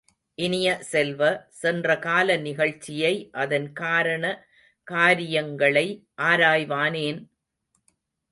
இனிய செல்வ, சென்ற கால நிகழ்ச்சியை அதன் காரண காரியங்களை ஆராய்வானேன்?